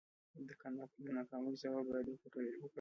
د ناکامۍ سبب باید وپلټل شي.